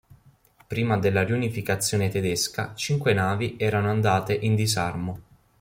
Prima della riunificazione tedesca cinque navi erano andate in disarmo.